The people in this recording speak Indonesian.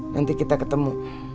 nanti kita ketemu